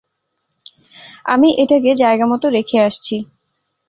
আমি এটাকে জায়গামতো রেখে আসছি।